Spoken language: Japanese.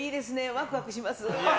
ワクワクします。